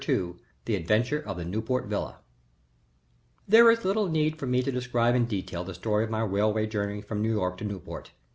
II THE ADVENTURE OF THE NEWPORT VILLA There is little need for me to describe in detail the story of my railway journey from New York to Newport.